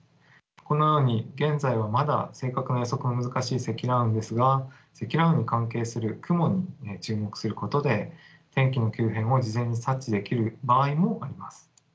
このように現在はまだ正確な予測が難しい積乱雲ですが積乱雲に関係する雲に注目することで天気の急変を事前に察知できる場合もあります。